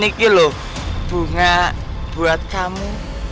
ini kilo bunga buat kamu